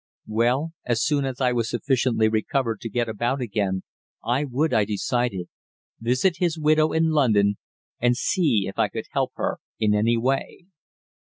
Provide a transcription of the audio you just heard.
Well, as soon as I was sufficiently recovered to get about again I would, I decided, visit his widow in London, and see if I could help her in any way.